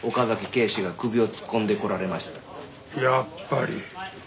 やっぱり。